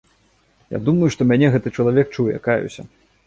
Я думаю, што мяне гэты чалавек чуе, каюся.